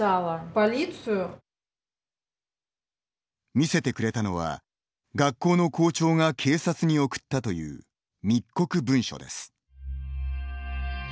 見せてくれたのは学校の校長が警察に送ったという密告文書です。